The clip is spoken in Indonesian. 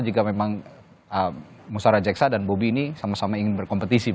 jika memang musara jaksa dan bobi ini sama sama ingin berkompetisi